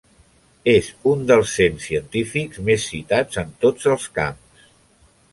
És un dels cent científics més citats en tots els camps.